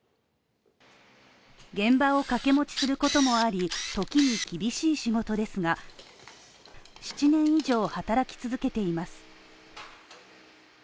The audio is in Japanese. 現場を掛け持ちすることもあり、時に厳しい仕事ですが、７年以上働き続けています。